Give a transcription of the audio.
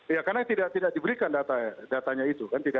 iya karena tidak diberikan datanya itu